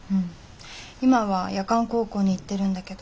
今は夜間高校に行ってるんだけど。